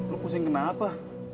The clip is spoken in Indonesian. lo pusing kenapa